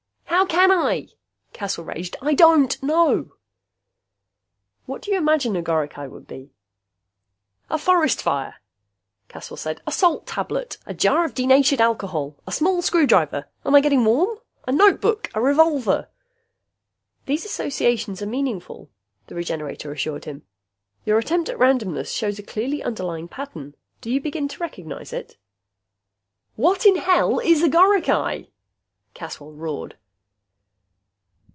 "How can I?" Caswell raged. "I don't know!" "What do you imagine a goricae would be?" "A forest fire," Caswell said. "A salt tablet. A jar of denatured alcohol. A small screwdriver. Am I getting warm? A notebook. A revolver " "These associations are meaningful," the Regenerator assured him. "Your attempt at randomness shows a clearly underlying pattern. Do you begin to recognize it?" "What in hell is a goricae?" Caswell roared.